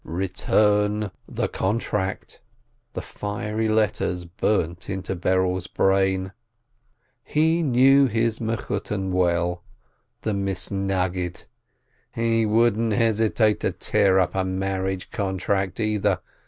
"Return the contract!" the fiery letters burnt into Berel's brain. He knew his Mechutton well. The Misnaggid ! He wouldn't hesitate to tear up a marriage contract, either